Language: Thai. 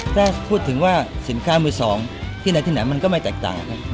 ถ้าพูดถึงว่าสินค้ามือสองที่ไหนที่ไหนมันก็ไม่แตกต่างครับ